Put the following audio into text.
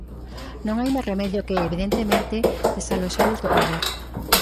Non hai máis remedio que, evidentemente, desaloxalos do poder.